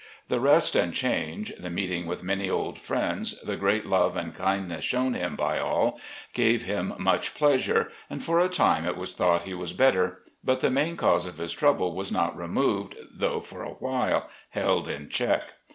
The rest and change, the meeting with many old friends, the great love and kindness shown him by all, gave him much pleasure, and for a time it was thought he was better; but the main cause of his trouble was not removed, though for a while held in check.